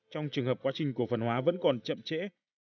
trong trường hợp quá trình cổ phần hóa vẫn còn chậm trễ